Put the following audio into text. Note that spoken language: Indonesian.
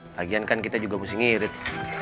lagian kan kita juga mesti ngirit